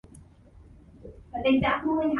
As the mill grew, so did the town's population.